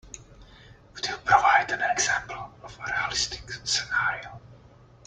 Could you provide an example of a realistic scenario?